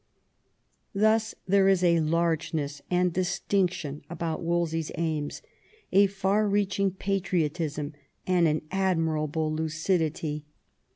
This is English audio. Thus there is a largeness and distinction about Wolsey's aims, a far reaching patriotism, |md an admir able lucidity.